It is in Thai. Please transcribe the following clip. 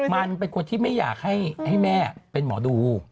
มันเป็นคนที่ไม่อยากให้แม่เป็นหมอดู